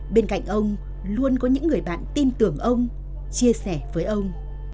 bên cạnh ông luôn có những người bạn tin tưởng ông chia sẻ với ông